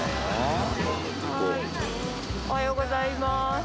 おはようございます。